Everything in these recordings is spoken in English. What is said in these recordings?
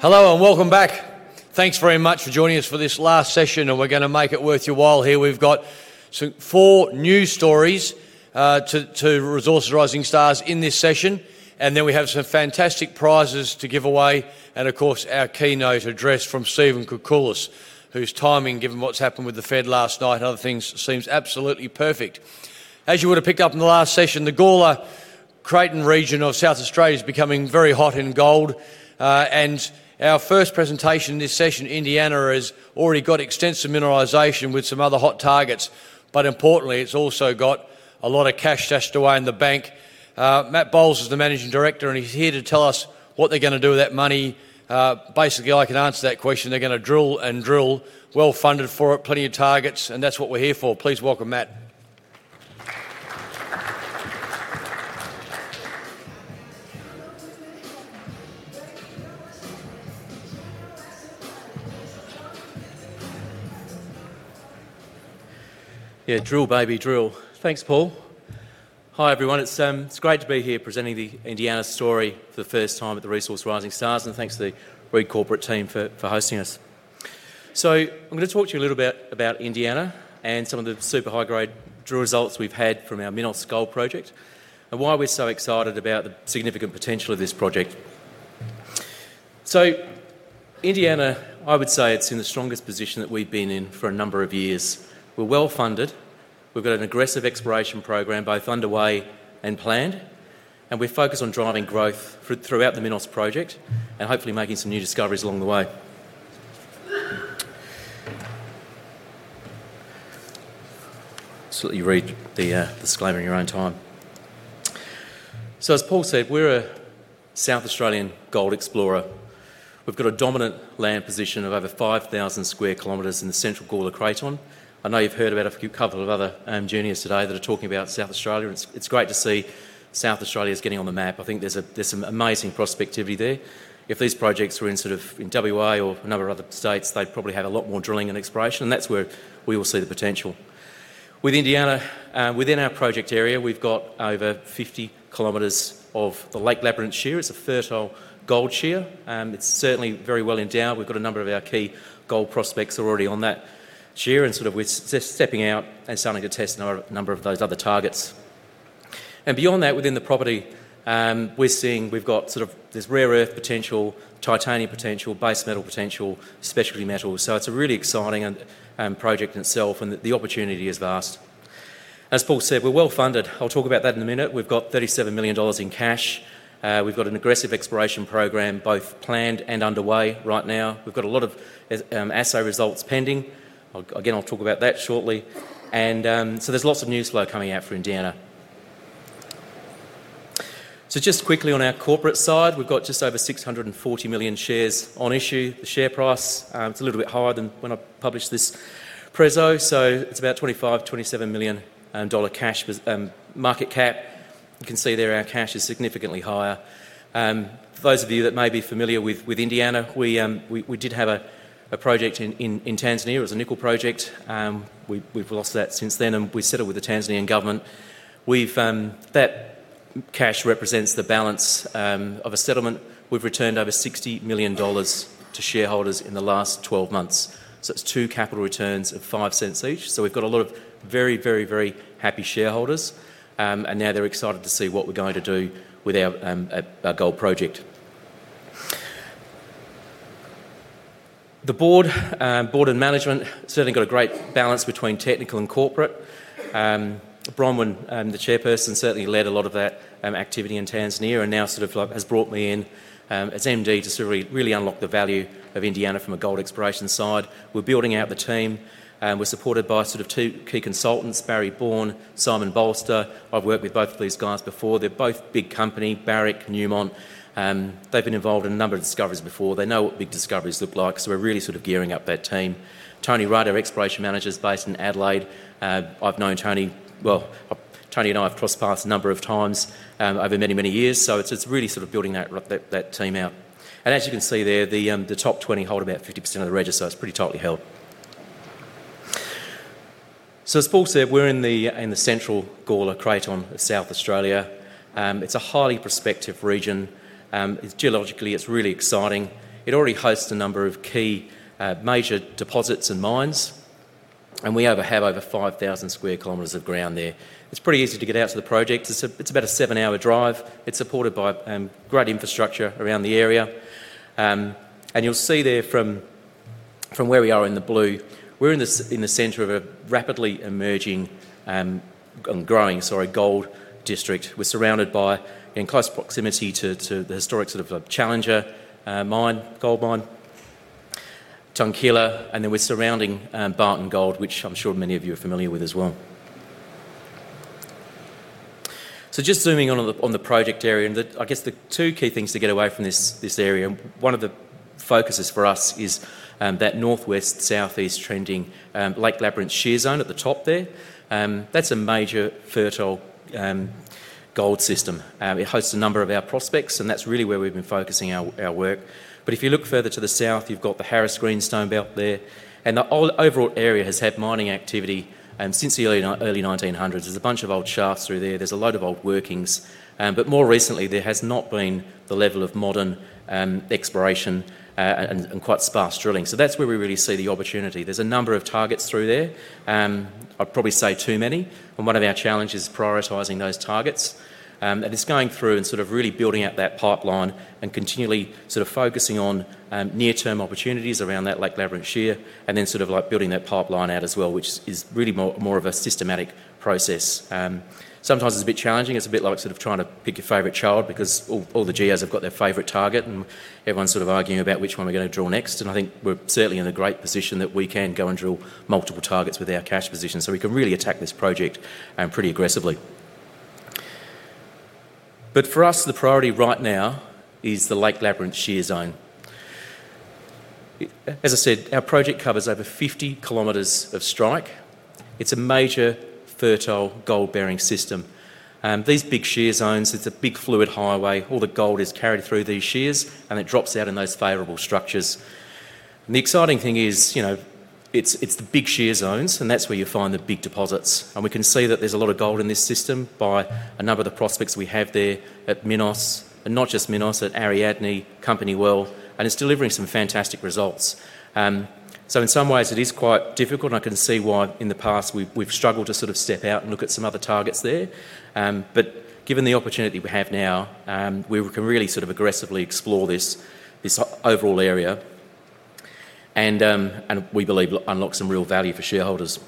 Hello and welcome back. Thanks very much for joining us for this last session, and we're going to make it worth your while here. We've got some four news stories to Resources Rising Stars in this session. Then we have some fantastic prizes to give away. Of course, our keynote address from Stephen Kukulis, whose timing, given what's happened with the Fed last night and other things, seems absolutely perfect. As you would have picked up in the last session, the central Gawler-Creighton region of South Australia is becoming very hot and gold. Our first presentation in this session, Indiana Resources has already got extensive mineralization with some other hot targets. Importantly, it's also got a lot of cash stashed away in the bank. Matt Bowles is the Managing Director, and he's here to tell us what they're going to do with that money. Basically, I can answer that question. They're going to drill and drill, well funded for it, plenty of targets, and that's what we're here for. Please welcome Matt. Yeah, drill, baby, drill. Thanks, Paul. Hi, everyone. It's great to be here presenting the Indiana Resources story for the first time at the Resources Rising Stars, and thanks to the great corporate team for hosting us. I'm going to talk to you a little bit about Indiana Resources and some of the super high-grade drill results we've had from our Minos Gold Project and why we're so excited about the significant potential of this project. Indiana Resources, I would say it's in the strongest position that we've been in for a number of years. We're well funded. We've got an aggressive exploration program both underway and planned. We're focused on driving growth throughout the Minos Gold Project and hopefully making some new discoveries along the way. Absolutely, you read the disclaimer in your own time. As Paul said, we're a South Australian gold explorer. We've got a dominant land position of over 5,000 sq km in the central Gawler-Creighton. I know you've heard about a couple of other engineers today that are talking about South Australia. It's great to see South Australia is getting on the map. I think there's some amazing prospectivity there. If these projects were in sort of WA or a number of other states, they'd probably have a lot more drilling and exploration, and that's where we will see the potential. With Indiana Resources, within our project area, we've got over 50 km of the Lake Labyrinth Shear. It's a fertile gold shear. It's certainly very well endowed. We've got a number of our key gold prospects already on that shear, and we're stepping out and starting to test a number of those other targets. Beyond that, within the property, we're seeing we've got this rare earth potential, titanium potential, base metal potential, specialty metals. It's a really exciting project in itself, and the opportunity is vast. As Paul said, we're well funded. I'll talk about that in a minute. We've got $37 million in cash. We've got an aggressive exploration program both planned and underway right now. We've got a lot of assay results pending. I'll talk about that shortly. There's lots of news flow coming out for Indiana. Just quickly on our corporate side, we've got just over 640 million shares on issue. The share price, it's a little bit higher than when I published this preso, so it's about $25 million-$27 million cash market cap. You can see there our cash is significantly higher. For those of you that may be familiar with Indiana, we did have a project in Tanzania. It was a nickel project. We've lost that since then, and we settled with the Tanzanian government. That cash represents the balance of a settlement. We've returned over $60 million to shareholders in the last 12 months. It's two capital returns of $0.05 each. We've got a lot of very, very, very happy shareholders, and now they're excited to see what we're going to do with our gold project. The Board and management certainly got a great balance between technical and corporate. Bronwyn, the Chairperson, certainly led a lot of that activity in Tanzania and now has brought me in as MD to really unlock the value of Indiana from a gold exploration side. We're building out the team. We're supported by two key consultants, Barry Bourne, Simon Bolster. I've worked with both of these guys before. They're both big companies. Barrick, Newmont, they've been involved in a number of discoveries before. They know what big discoveries look like. We're really gearing up that team. Tony Wright, our Exploration Manager, is based in Adelaide. I've known Tony, Tony and I have crossed paths a number of times over many, many years. It's really building that team out. As you can see there, the top 20 hold about 50% of the register, so it's pretty tightly held. As Paul said, we're in the central Gawler-Creighton of South Australia. It's a highly prospective region. Geologically, it's really exciting. It already hosts a number of key major deposits and mines, and we have over 5,000 sq km of ground there. It's pretty easy to get out to the project. It's about a seven-hour drive. It's supported by great infrastructure around the area. You'll see there from where we are in the blue, we're in the center of a rapidly emerging and growing gold district. We're surrounded by and in close proximity to the historic sort of Challenger gold mine, Tunkillia, and then we're surrounding Barton Gold, which I'm sure many of you are familiar with as well. Just zooming in on the project area, the two key things to get away from this area, one of the focuses for us is that northwest-southeast trending Lake Labyrinth Shear Zone at the top there. That's a major fertile gold system. It hosts a number of our prospects, and that's really where we've been focusing our work. If you look further to the south, you've got the Harris Greenstone Belt there. The overall area has had mining activity since the early 1900s. There's a bunch of old shafts through there. There's a load of old workings. More recently, there has not been the level of modern exploration and quite sparse drilling. That's where we really see the opportunity. There's a number of targets through there. I'd probably say too many. One of our challenges is prioritizing those targets. It's going through and really building out that pipeline and continually focusing on near-term opportunities around that Lake Labyrinth Shear and then building that pipeline out as well, which is really more of a systematic process. Sometimes it's a bit challenging. It's a bit like trying to pick your favorite child because all the geologists have got their favorite target and everyone's arguing about which one we're going to drill next. I think we're certainly in a great position that we can go and drill multiple targets with our cash position so we can really attack this project pretty aggressively. For us, the priority right now is the Lake Labyrinth Shear Zone. As I said, our project covers over 50 km of strike. It's a major fertile gold-bearing system. These big shear zones, it's a big fluid highway. All the gold is carried through these shears and it drops out in those favorable structures. The exciting thing is, you know, it's the big shear zones and that's where you find the big deposits. We can see that there's a lot of gold in this system by a number of the prospects we have there at Minos and not just Minos, at Ariadne, Company Well, and it's delivering some fantastic results. In some ways, it is quite difficult and I can see why in the past we've struggled to sort of step out and look at some other targets there. Given the opportunity we have now, we can really sort of aggressively explore this overall area and we believe unlock some real value for shareholders.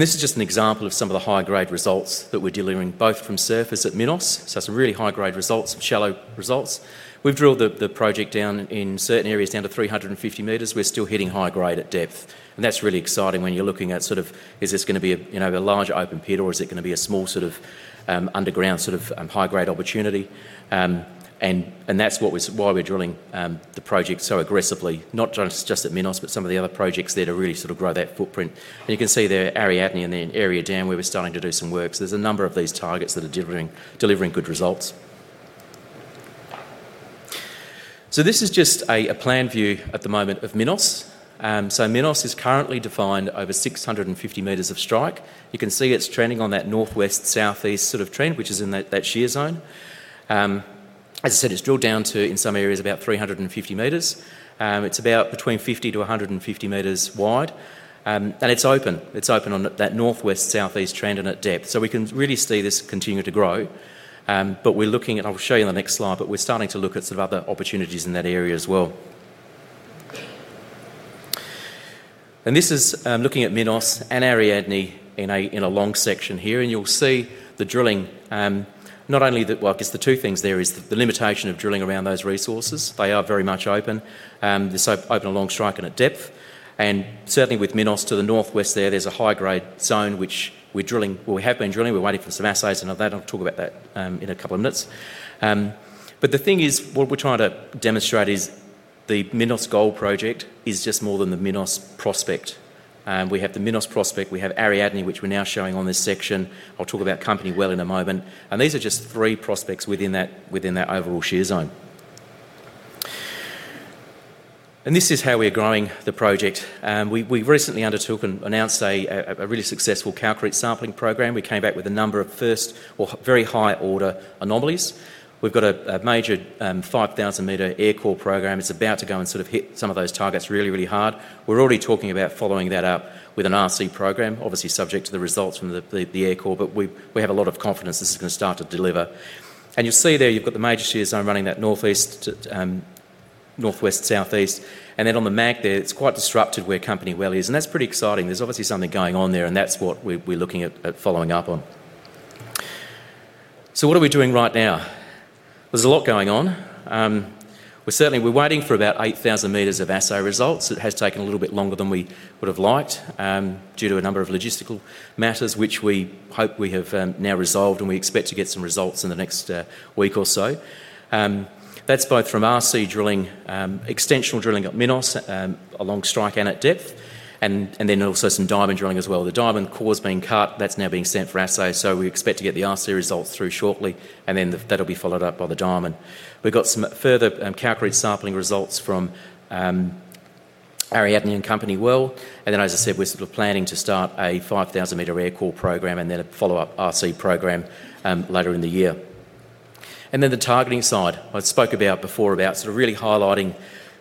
This is just an example of some of the high-grade results that we're delivering both from surface at Minos. That's really high-grade results, shallow results. We've drilled the project down in certain areas down to 350 m. We're still hitting high-grade at depth. That's really exciting when you're looking at sort of, is this going to be a large open pit or is it going to be a small sort of underground sort of high-grade opportunity? That's why we're drilling the project so aggressively, not just at Minos, but some of the other projects there to really sort of grow that footprint. You can see there at Ariadne and the area down where we're starting to do some work. There are a number of these targets that are delivering good results. This is just a plan view at the moment of Minos. Minos is currently defined over 650 m of strike. You can see it's trending on that northwest-southeast sort of trend, which is in that shear zone. As I said, it's drilled down to in some areas about 350 m. It's about between 50-150 m wide. It's open. It's open on that northwest-southeast trend and at depth. We can really see this continue to grow. We're looking at, I'll show you on the next slide, but we're starting to look at some other opportunities in that area as well. This is looking at Minos and Ariadne in a long section here. You'll see the drilling, not only that, I guess the two things there is the limitation of drilling around those resources. They are very much open. They're so open along strike and at depth. Certainly with Minos to the northwest there, there's a high-grade zone, which we're drilling, we have been drilling. We're waiting for some assays and all that. I'll talk about that in a couple of minutes. What we're trying to demonstrate is the Minos Gold Project is just more than the Minos prospect. We have the Minos prospect, we have Ariadne, which we're now showing on this section. I'll talk about Company Well in a moment. These are just three prospects within that overall shear zone. This is how we're growing the project. We recently undertook and annozd a really successful calcrete sampling program. We came back with a number of first or very high order anomalies. We've got a major 5,000 m air core program that's about to go and sort of hit some of those targets really, really hard. We're already talking about following that up with an RC program, obviously subject to the results from the air core, but we have a lot of confidence this is going to start to deliver. You'll see there, you've got the major shear zone running that northwest-southeast. On the map there, it's quite disrupted where Company Well is. That's pretty exciting. There's obviously something going on there, and that's what we're looking at following up on. What are we doing right now? There's a lot going on. We're certainly waiting for about 8,000 m of assay results. It has taken a little bit longer than we would have liked due to a number of logistical matters, which we hope we have now resolved, and we expect to get some results in the next week or so. That's both from RC drilling, extensional drilling at Minos along strike and at depth, and then also some diamond drilling as well. The diamond core's being cut. That's now being sent for assay. We expect to get the RC results through shortly, and that'll be followed up by the diamond. We've got some further calcrete sampling results from Ariadne and Company Well. As I said, we're sort of planning to start a 5,000 meter air core program and then a follow-up RC program later in the year. On the targeting side, I spoke before about really highlighting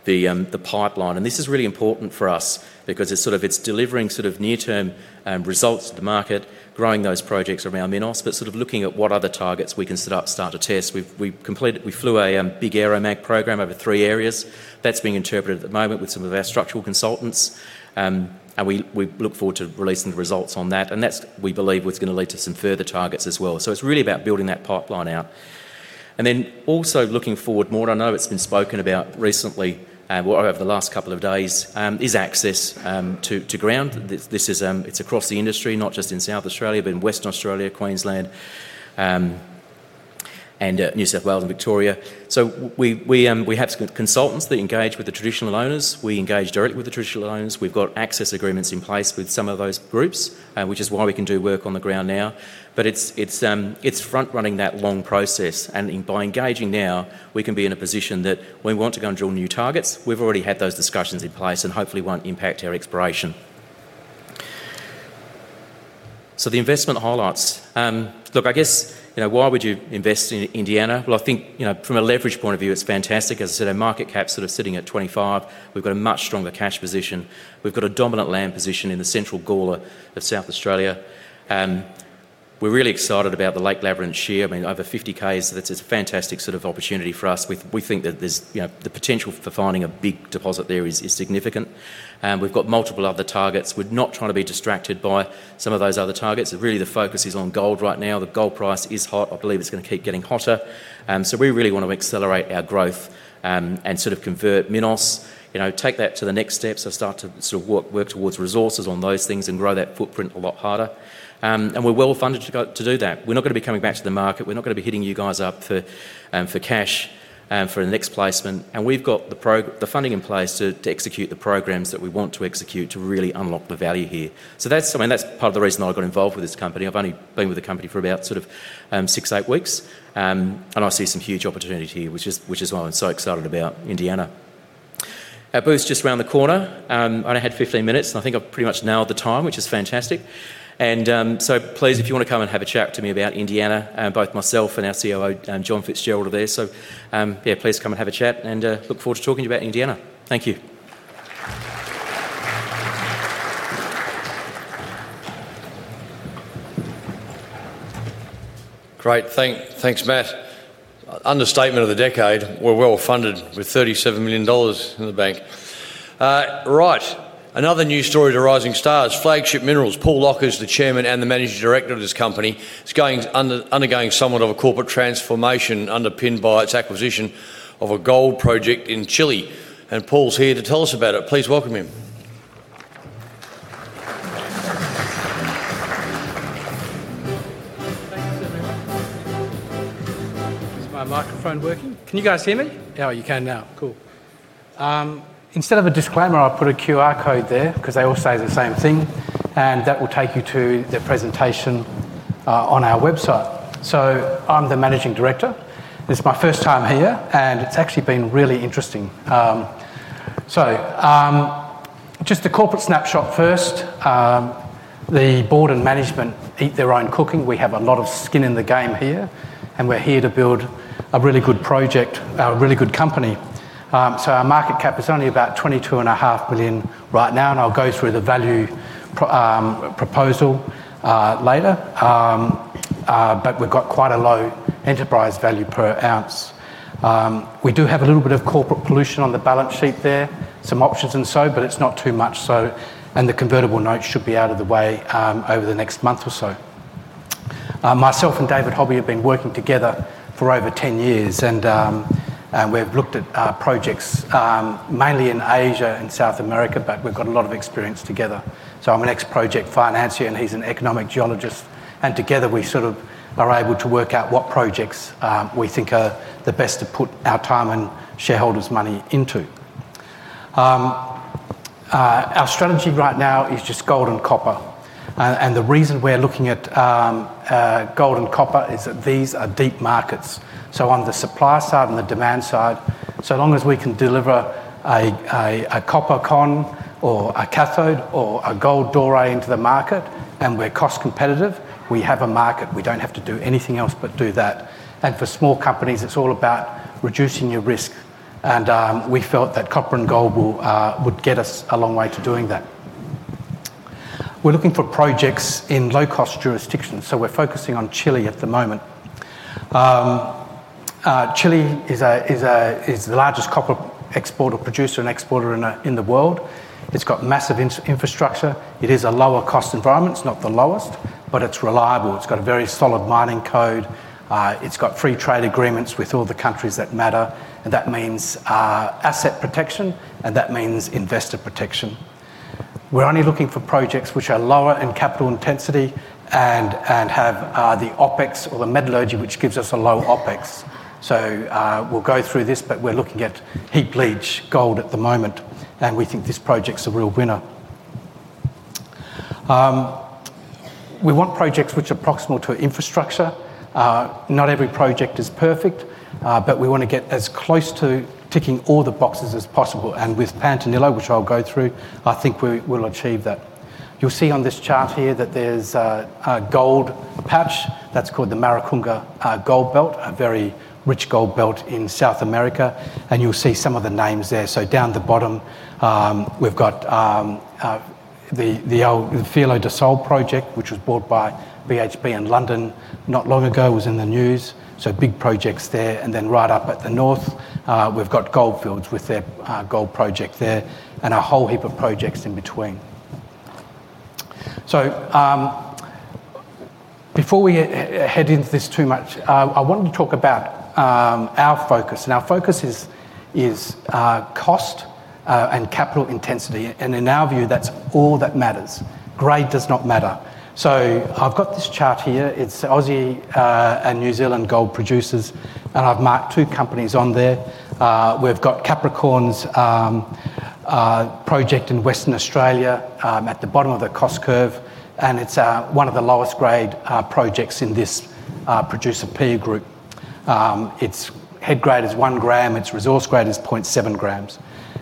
the pipeline. This is really important for us because it's delivering near-term results to the market, growing those projects around Minos, but also looking at what other targets we can set up and start to test. We flew a big aeromag program over three areas. That's being interpreted at the moment with some of our structural consultants. We look forward to releasing the results on that. We believe that's what's going to lead to some further targets as well. It's really about building that pipeline out. Also, looking forward more, and I know it's been spoken about recently over the last couple of days, is access to ground. It's across the industry, not just in South Australia, but in Western Australia, Queensland, New South Wales, and Victoria. We have to get consultants that engage with the traditional owners. We engage directly with the traditional owners. We've got access agreements in place with some of those groups, which is why we can do work on the ground now. It's front-running that long process. By engaging now, we can be in a position that when we want to go and drill new targets, we've already had those discussions in place and hopefully won't impact our exploration. The investment highlights. I guess, you know, why would you invest in Indiana Resources? I think, you know, from a leverage point of view, it's fantastic. As I said, our market cap's sort of sitting at $25 million. We've got a much stronger cash position. We've got a dominant land position in the central Gawler-Creighton region of South Australia. We're really excited about the Lake Labyrinth Shear. I mean, over 50 km, it's a fantastic sort of opportunity for us. We think that there's, you know, the potential for finding a big deposit there is significant. We've got multiple other targets. We're not trying to be distracted by some of those other targets. Really, the focus is on gold right now. The gold price is hot. I believe it's going to keep getting hotter. We really want to accelerate our growth and sort of convert Minos, you know, take that to the next step, so start to sort of work towards resources on those things and grow that footprint a lot harder. We're well funded to do that. We're not going to be coming back to the market. We're not going to be hitting you guys up for cash for the next placement. We've got the funding in place to execute the prog that we want to execute to really unlock the value here. That's something that's part of the reason I got involved with this company. I've only been with the company for about six to eight weeks. I see some huge opportunity here, which is why I'm so excited about Indiana Resources. Our booth's just around the corner. I only had 15 minutes. I think I've pretty much nailed the time, which is fantastic. Please, if you want to come and have a chat to me about Indiana Resources, both myself and our COO, John Fitzgerald, are there. Please come and have a chat and look forward to talking to you about Indiana. Thank you. Great. Thanks, Matt. Understatement of the decade. We're well funded with $37 million in the bank. Right. Another news story to Rising Stars. Flagship Minerals. Paul Lock is the Chairman and the Managing Director of this company. It's undergoing somewhat of a corporate transformation underpinned by its acquisition of a gold project in Chile. Paul's here to tell us about it. Please welcome him. Thanks, everyone. Is my microphone working? Can you guys hear me? Oh, you can now. Cool. Instead of a disclaimer, I put a QR code there because they all say the same thing. That will take you to the presentation on our website. I'm the Managing Director. It's my first time here, and it's actually been really interesting. Just a corporate snapshot first. The board and management eat their own cooking. We have a lot of skin in the game here, and we're here to build a really good project, a really good company. Our market cap is only about $22.5 million right now, and I'll go through the value proposal later. We've got quite a low enterprise value per oz. We do have a little bit of corporate pollution on the balance sheet there, some options and so, but it's not too much. The convertible note should be out of the way over the next month or so. Myself and David Hobby have been working together for over 10 years, and we've looked at projects mainly in Asia and South America, but we've got a lot of experience together. I'm an ex-project financier, and he's an economic geologist. Together, we sort of are able to work out what projects we think are the best to put our time and shareholders' money into. Our strategy right now is just gold and copper. The reason we're looking at gold and copper is that these are deep markets. On the supply side and the demand side, so long as we can deliver a copper con or a cathode or a gold doorway into the market, and we're cost-competitive, we have a market. We don't have to do anything else but do that. For small companies, it's all about reducing your risk. We felt that copper and gold would get us a long way to doing that. We're looking for projects in low-cost jurisdictions. We're focusing on Chile at the moment. Chile is the largest copper producer and exporter in the world. It's got massive infrastructure. It is a lower-cost environment. It's not the lowest, but it's reliable. It's got a very solid mining code. It's got free trade agreements with all the countries that matter. That means asset protection, and that means investor protection. We're only looking for projects which are lower in capital intensity and have the OpEx or the metallurgy, which gives us a low OpEx. We'll go through this, but we're looking at heap-leach gold at the moment, and we think this project's a real winner. We want projects which are proximal to infrastructure. Not every project is perfect, but we want to get as close to ticking all the boxes as possible. With Pantanillo, which I'll go through, I think we'll achieve that. You'll see on this chart here that there's a gold patch that's called the Maracunga Gold Belt, a very rich gold belt in South America. You'll see some of the names there. Down the bottom, we've got the old Filo de Sol project, which was bought by BHP in London not long ago, was in the news. Big projects there. Right up at the north, we've got Goldfields with their gold project there and a whole heap of projects in between. Before we head into this too much, I wanted to talk about our focus. Our focus is cost and capital intensity. In our view, that's all that matters. Grade does not matter. I've got this chart here. It's Aussie and New Zealand gold producers. I've marked two companies on there. We've got Capricorn's project in Western Australia at the bottom of the cost curve. It's one of the lowest grade projects in this producer peer group. Its head grade is 1 g. Its resource grade is 0.7 g.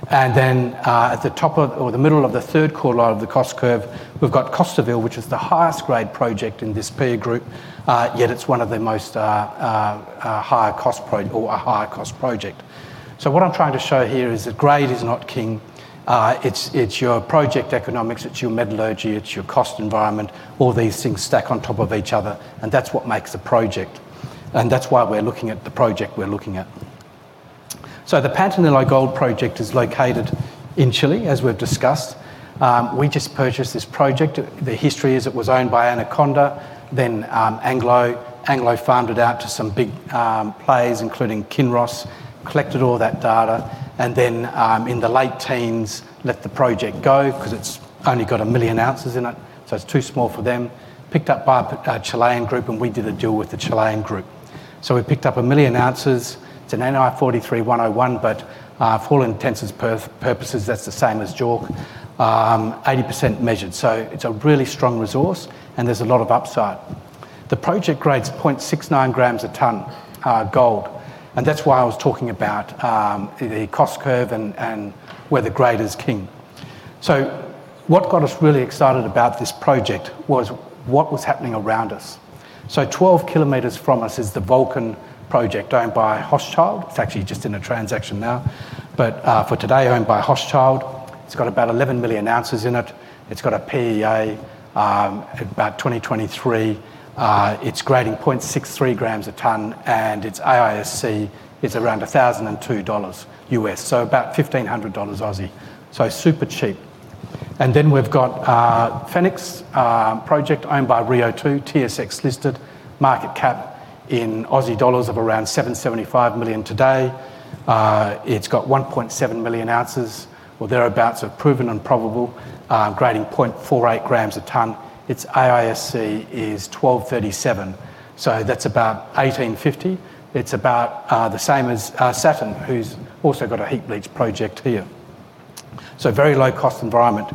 At the top of the middle of the third quarter of the cost curve, we've got Costaville, which is the highest grade project in this peer group, yet it's one of the most higher cost projects. What I'm trying to show here is that grade is not king. It's your project economics. It's your metallurgy. It's your cost environment. All these things stack on top of each other. That's what makes a project. That's why we're looking at the project we're looking at. The Pantanillo Gold Project is located in Chile, as we've discussed. We just purchased this project. The history is it was owned by Anaconda. Then Anglo farmed it out to some big plays, including Kinross, collected all that data. In the late 2010s, let the project go because it's only got 1 million oz in it. It's too small for them. Picked up by a Chilean group, and we did a deal with the Chilean group. We picked up a million oz. It's an NI 43-101, but for all intents and purposes, that's the same as JORC. 80% measured. It's a really strong resource, and there's a lot of upside. The project grades 0.69 g a ton of gold. That's why I was talking about the cost curve and where the grade is king. What got us really excited about this project was what was happening around us. 12 km from us is the Volcan project owned by Hochschild. It's actually just in a transaction now. For today, owned by Hochschild. It's got about 11 million oz in it. It's got a PEA at about 2023. It's grading 0.63 g a ton, and its AISC is around $1,002. So, about 1,500 Aussie dollars. Super cheap. Then we've got a Phoenix project owned by Rio2, TSX listed. Market cap in AUD of around 775 million today. It's got 1.7 million oz or thereabouts of proven and probable grading 0.48 g a ton. Its AISC is $1,237. That's about $1,850. It's about the same as Safin, who's also got a heap-leach project here. Very low-cost environment.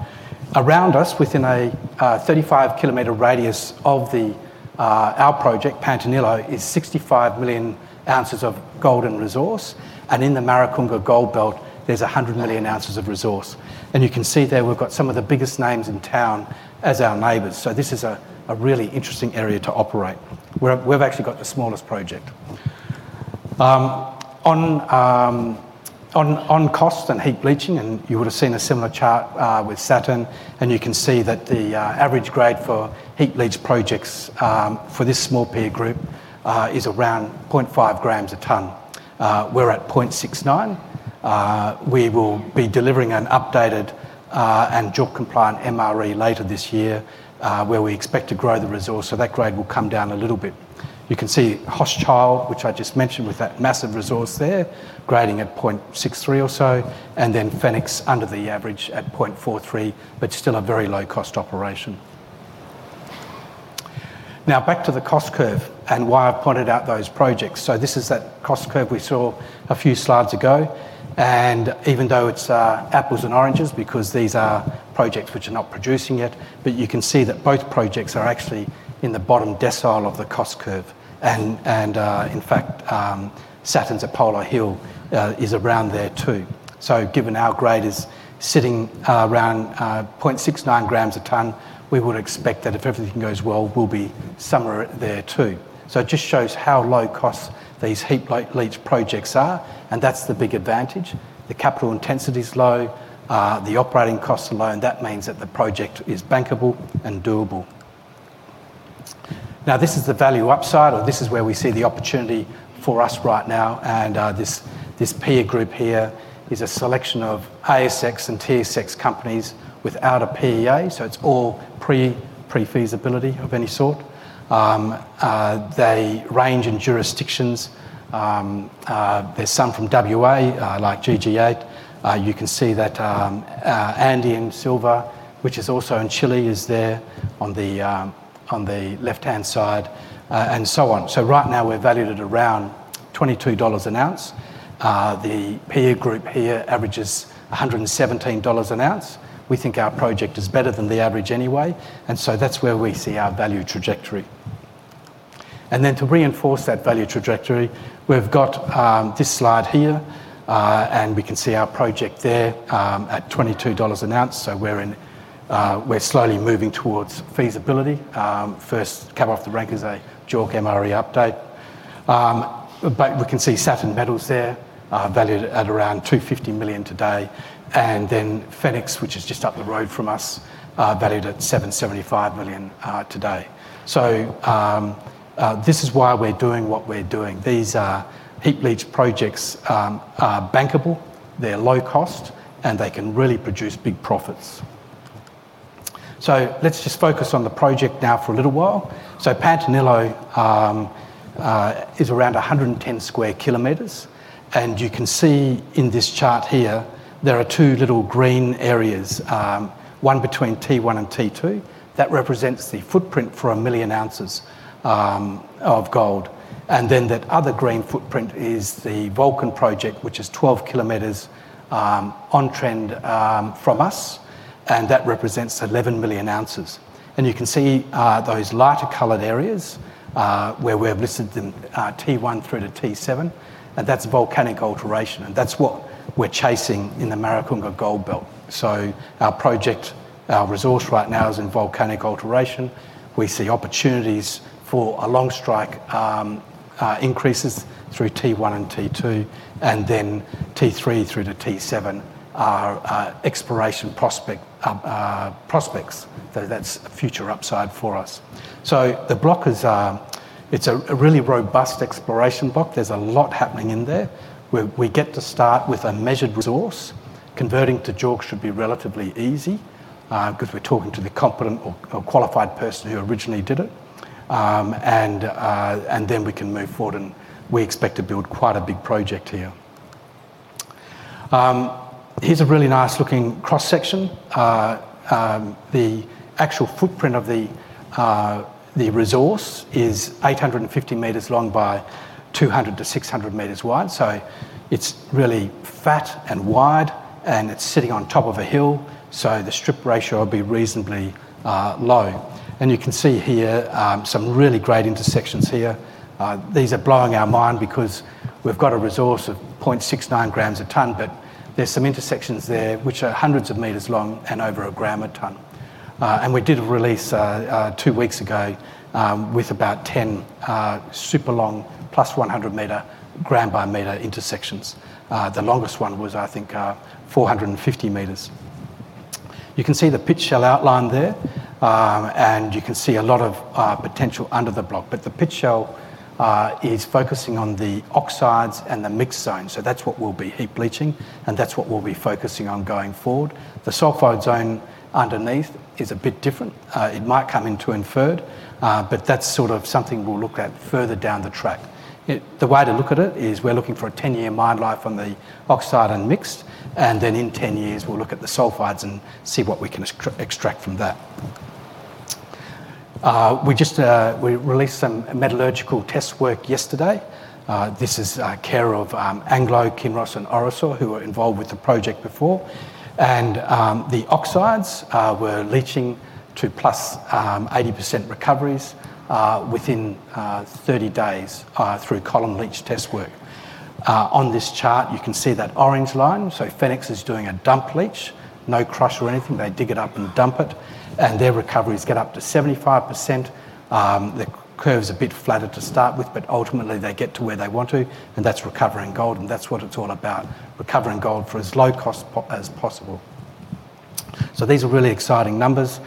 Around us, within a 35 km radius of our project, Pantanillo, is 65 million oz of gold in resource. In the Maracunga Gold Belt, there's 100 million oz of resource. You can see there, we've got some of the biggest names in town as our neighbors. This is a really interesting area to operate. We've actually got the smallest project. On costs and heap-leaching, you would have seen a similar chart with Safin, and you can see that the average grade for heap-leach projects for this small peer group is around 0.5 g a ton. We're at 0.69 g a ton. We will be delivering an updated and JORC-compliant MRE later this year where we expect to grow the resource. That grade will come down a little bit. You can see Hochschild, which I just mentioned with that massive resource there, grading at 0.63 g a ton or so. Then Phoenix under the average at 0.43 g a ton, but still a very low-cost operation. Now, back to the cost curve and why I've pointed out those projects. This is that cost curve we saw a few slides ago. Even though it's apples and oranges because these are projects which are not producing yet, you can see that both projects are actually in the bottom decile of the cost curve. In fact, Safin's Apollo Hill is around there too. Given our grade is sitting around 0.69 g a ton, we would expect that if everything goes well, we'll be somewhere there too. It just shows how low-cost these heap-leach projects are. That's the big advantage. The capital intensity is low. The operating costs are low. That means that the project is bankable and doable. This is the value upside, or this is where we see the opportunity for us right now. This peer group here is a selection of ASX and TSX companies without a PEA. It's all pre-feasibility of any sort. They range in jurisdictions. There's some from WA, like GG8. You can see that Andean Silver, which is also in Chile, is there on the left-hand side, and so on. Right now, we're valued at around $22 an oz. The peer group here averages $117 an oz. We think our project is better than the average anyway. That's where we see our value trajectory. To reinforce that value trajectory, we've got this slide here. We can see our project there at $22 an oz. We're slowly moving towards feasibility. First, come off the rank is a JORC MRE update. We can see Safin Metals there, valued at around $250 million today. Phoenix, which is just up the road from us, is valued at $775 million today. This is why we're doing what we're doing. These heap-leach projects are bankable. They're low-cost, and they can really produce big profits. Let's just focus on the project now for a little while. Pantanillo is around 110 sq km. You can see in this chart here, there are two little green areas, one between T1 and T2, that represents the footprint for 1 million oz of gold. That other green footprint is the Volcan project, which is 12 km on trend from us. That represents 11 million oz. You can see those lighter colored areas where we're missing T1 through to T7. That's volcanic alteration, and that's what we're chasing in the Maricunga Gold Belt. Our project resource right now is in volcanic alteration. We see opportunities for a long strike increases through T1 and T2. T3 through to T7 are exploration prospects. That's future upside for us. The block is a really robust exploration block. There's a lot happening in there. We get to start with a measured resource. Converting to JORC should be relatively easy because we're talking to the competent or qualified person who originally did it. We can move forward, and we expect to build quite a big project here. Here's a really nice looking cross section. The actual footprint of the resource is 850 m long by 200-600 m wide. It's really fat and wide, and it's sitting on top of a hill. The strip ratio will be reasonably low. You can see here some really great intersections here. These are blowing our mind because we've got a resource of 0.69 g a ton, but there's some intersections there which are hundreds of m long and over a gram a ton. We did a release two weeks ago with about 10 super long +100 m, gram by meter intersections. The longest one was, I think, 450 m. You can see the pit shell outline there, and you can see a lot of potential under the block. The pit shell is focusing on the oxides and the mixed zone. That is what will be heap-leaching, and that is what we'll be focusing on going forward. The sulfide zone underneath is a bit different. It might come into inferred, but that is sort of something we'll look at further down the track. The way to look at it is we're looking for a 10-year mine life on the oxide and mixed. In 10 years, we'll look at the sulfides and see what we can extract from that. We just released some metallurgical test work yesterday. This is care of Anglo-Kinross, and [Oresaw], who were involved with the project before. The oxides were leaching to plus 80% recoveries within 30 days through column leach test work. On this chart, you can see that orange line. Phoenix is doing a dump leach. No crush or anything. They dig it up and dump it, and their recoveries get up to 75%. The curve's a bit flatter to start with, but ultimately, they get to where they want to, and that is recovering gold. That is what it's all about, recovering gold for as low cost as possible. These are really exciting numbers.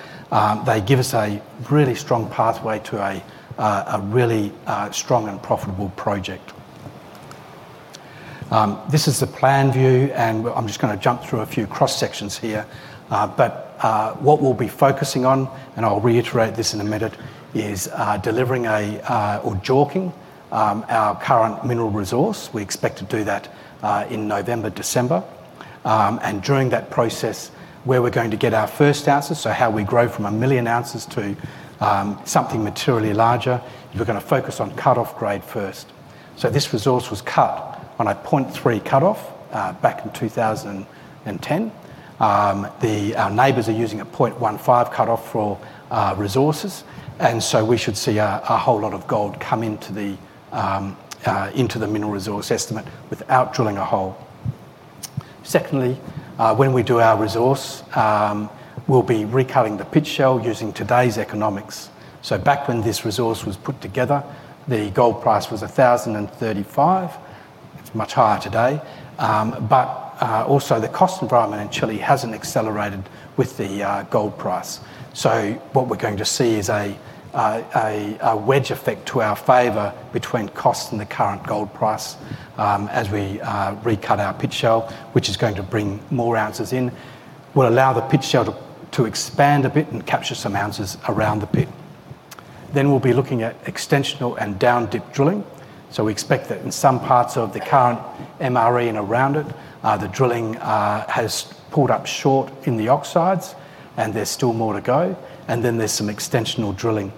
They give us a really strong pathway to a really strong and profitable project. This is a plan view, and I'm just going to jump through a few cross sections here. What we'll be focusing on, and I'll reiterate this in a minute, is delivering or jorking our current mineral resource. We expect to do that in November, December. During that process, where we're going to get our first oz, how we grow from a million oz to something materially larger, we're going to focus on cut-off grade first. This resource was cut on a 0.3 g a ton cut-off back in 2010. Our neighbors are using a 0.15 g a ton cut-off for resources, and we should see a whole lot of gold come into the mineral resource estimate without drilling a hole. Secondly, when we do our resource, we'll be recutting the pit shell using today's economics. Back when this resource was put together, the gold price was $1,035. It's much higher today, but also, the cost environment in Chile hasn't accelerated with the gold price. What we're going to see is a wedge effect to our favor between costs and the current gold price as we recut our pit shell, which is going to bring more oz in. We'll allow the pit shell to expand a bit and capture some oz around the pit. We'll be looking at extensional and down-deep drilling. We expect that in some parts of the current MRE and around it, the drilling has pulled up short in the oxides, and there's still more to go. There's some extensional drilling.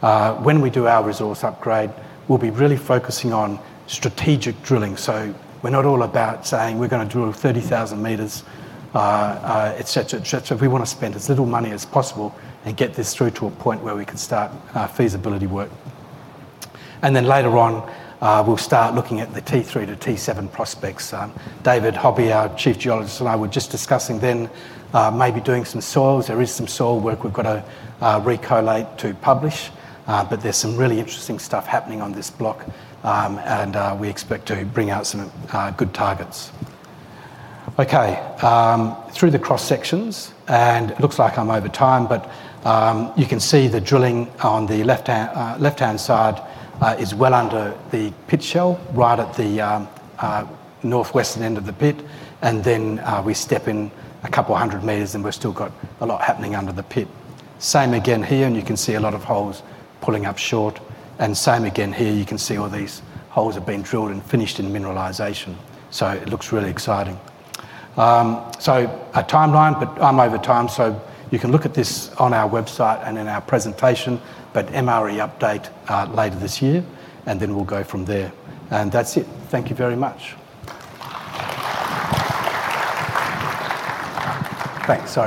When we do our resource upgrade, we'll be really focusing on strategic drilling. We're not all about saying we're going to drill 30,000 m, et cetera, et cetera. We want to spend as little money as possible and get this through to a point where we can start feasibility work. Later on, we'll start looking at the T3-T7 prospects. David Hobby, our Chief Geologist, and I were just discussing then maybe doing some soils. There is some soil work we've got to recollate to publish. There's some really interesting stuff happening on this block. We expect to bring out some good targets. Through the cross sections, it looks like I'm over time, but you can see the drilling on the left-hand side is well under the pit shell right at the northwestern end of the pit. We step in a couple hundred m, and we've still got a lot happening under the pit. Same again here, and you can see a lot of holes pulling up short. Same again here, you can see all these holes have been drilled and finished in mineralization. It looks really exciting. A timeline, but I'm over time. You can look at this on our website and in our presentation, but MRE update later this year, and we'll go from there. That's it. Thank you very much. Thanks.